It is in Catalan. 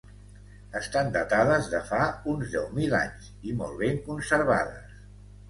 Estan datades de fa uns deu mil anys i molt ben conservades.